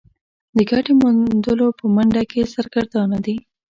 د ګټې موندلو په منډه کې سرګردانه دي.